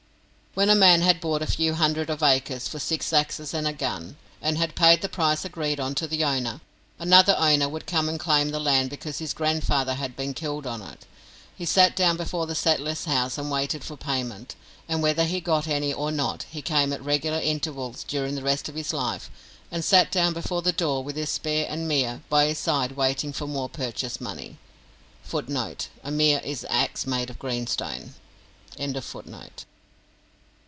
When a man had bought a few hundreds of acres for six axes and a gun, and had paid the price agreed on to the owner, another owner would come and claim the land because his grandfather had been killed on it. He sat down before the settler's house and waited for payment, and whether he got any or not he came at regular intervals during the rest of his life and sat down before the door with his spear and mere* by his side waiting for more purchase money. [Footnote] *Axe made of greenstone.